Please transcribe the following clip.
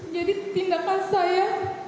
jadi tindakan saya